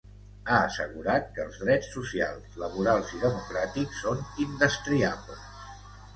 Ha assegurat que els drets socials, laborals i democràtics són indestriables.